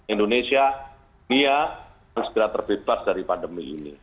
indonesia nia segera terbebas dari pandemi ini